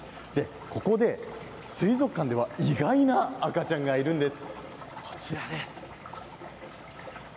ここで水族館では意外な赤ちゃんがいるんです。